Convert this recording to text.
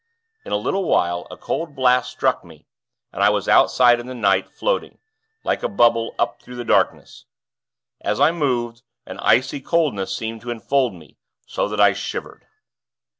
In a little while, a cold blast struck me, and I was outside in the night, floating, like a bubble, up through the darkness. As I moved, an icy coldness seemed to enfold me, so that I shivered.